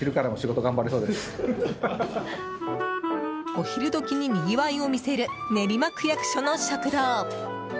お昼時に、にぎわいを見せる練馬区役所の食堂。